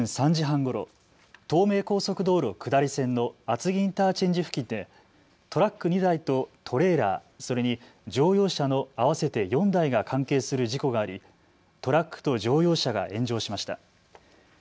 きょう午前３時半ごろ、東名高速道路下り線の厚木インターチェンジ付近でトラック２台とトレーラー、それに乗用車の合わせて４台が関係する事故がありトラックと乗用車が炎上しました。